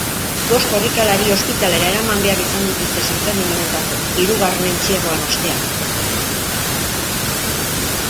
Bost korrikalari ospitalera eraman behar izan dituzte sanferminetako hirugarren entzierroaren ostean.